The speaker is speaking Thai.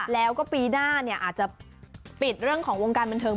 แล้วก็ปีหน้าเนี่ยอาจจะปิดเรื่องของวงการบันเทิง